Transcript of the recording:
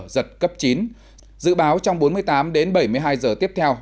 giật cấp chín dự báo trong bốn mươi tám đến bảy mươi hai giờ tiếp theo